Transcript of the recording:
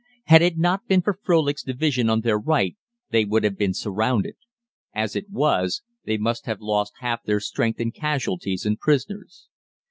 Had it not been for Frölich's division on their right they would have been surrounded. As it was, they must have lost half their strength in casualties and prisoners.